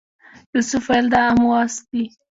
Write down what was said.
یوسف ویل دا امواس دی.